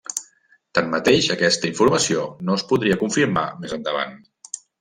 Tanmateix, aquesta informació no es podria confirmar més endavant.